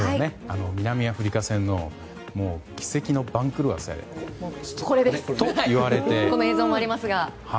南アフリカ戦の奇跡の番狂わせといわれて。